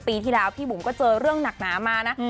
ปีที่แล้วพี่บุ๋มก็เจอเรื่องหนักหนามานะ